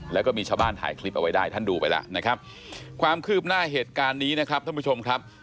แล้วก็มีชาวบ้านถ่ายคลิปเอาไว้ได้ท่านดูไปแล้วนะครับความคืบหน้าเหตุการณ์นี้นะครับท่านผู้ชมครับ